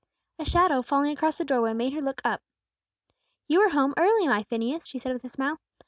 A shadow falling across the door way made her look up. "You are home early, my Phineas," she said, with a smile.